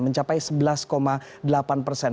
mencapai sebelas delapan persen